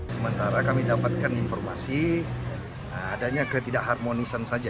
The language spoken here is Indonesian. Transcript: sementara kami dapatkan informasi adanya ketidak harmonisan saja